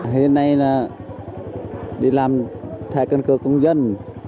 hiện nay là đi làm thẻ căn cước công dân